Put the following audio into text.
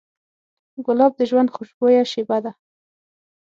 ګلاب د ژوند خوشبویه شیبه ده.